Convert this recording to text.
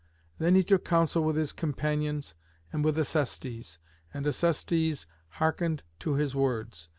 Then he took counsel with his companions and with Acestes. And Acestes hearkened to his words.